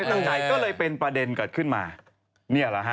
ตั้งใจก็เลยเป็นประเด็นเกิดขึ้นมาเนี่ยแหละฮะ